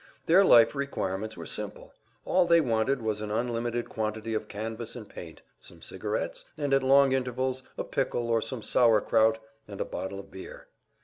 Their life requirements were simple; all they wanted was an unlimited quantity of canvas and paint, some cigarettes, and at long intervals a pickle or some sauer kraut and a bottle of beer.